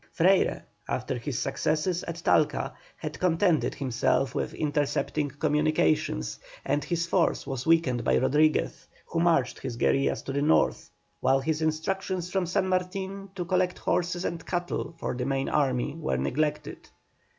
Freyre, after his success at Talca, had contented himself with intercepting communications, and his force was weakened by Rodriguez, who marched his guerillas to the North, while his instructions from San Martin to collect horses and cattle for the main army were neglected.